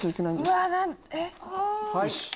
よし！